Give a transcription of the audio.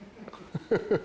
フフフフ！